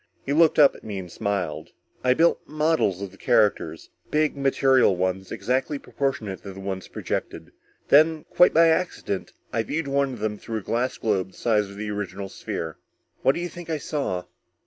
He looked up at me and smiled. "I built models of the characters. Big material ones, exactly proportionate to the ones projected. Then quite by accident I viewed one of them through a glass globe the size of the original sphere. What do you think I saw?"